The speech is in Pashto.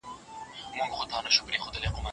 تاریخي اثار زموږ ملي شتمني ده.